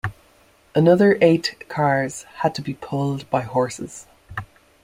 Another eight cars had to be pulled by horses.